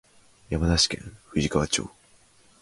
山梨県富士川町